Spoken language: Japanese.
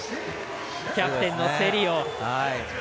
キャプテンのセリオ。